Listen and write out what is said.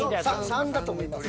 ３だと思います。